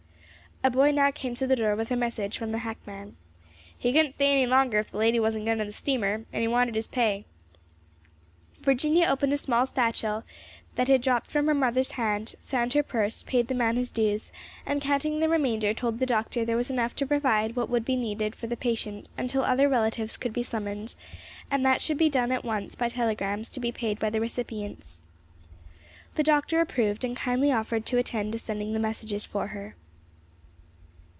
A boy now came to the door with a message from the hackman; "he couldn't stay any longer if the lady wasn't going to the steamer, and he wanted his pay." Virginia opened a small satchel that had dropped from her mother's hand, found her purse, paid the man his dues, and counting the remainder told the doctor there was enough to provide what would be needed for the patient until other relatives could be summoned, and that should be done at once by telegrams to be paid by the recipients. The doctor approved, and kindly offered to attend to sending the messages for her.